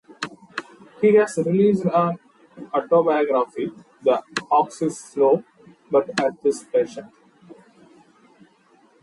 He has released an autobiography, "The Ox is Slow but the Earth is Patient".